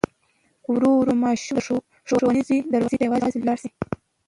ورو ورو ماشوم د ښوونځي دروازې ته یوازې لاړ شي.